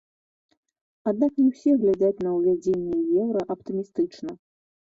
Аднак не ўсе глядзяць на ўвядзенне еўра аптымістычна.